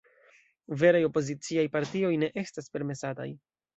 Veraj opoziciaj partioj ne estas permesataj.